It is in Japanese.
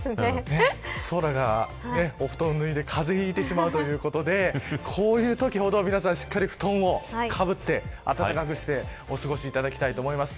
空がお布団を脱いで風邪をひいてしまうということでこういうときほどしっかり布団をかぶって暖かくしてお過ごしいただきたいと思います。